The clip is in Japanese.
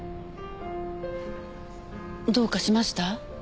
どうかしました？